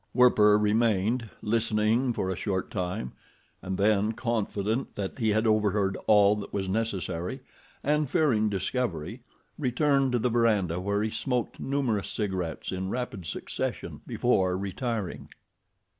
Werper remained, listening, for a short time, and then, confident that he had overheard all that was necessary and fearing discovery, returned to the veranda, where he smoked numerous cigarets in rapid succession before retiring.